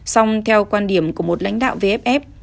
xong theo quan điểm của một lãnh đạo vff